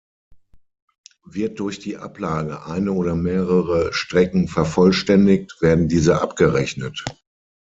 Wird durch die Ablage eine oder mehrere Strecken vervollständigt, werden diese abgerechnet.